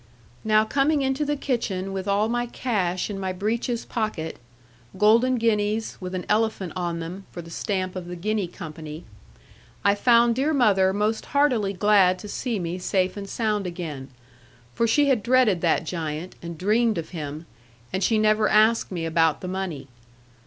Now coming into the kitchen with all my cash in my breeches pocket (golden guineas, with an elephant on them, for the stamp of the Guinea Company), I found dear mother most heartily glad to see me safe and sound again for she had dreaded that giant, and dreamed of him and she never asked me about the money.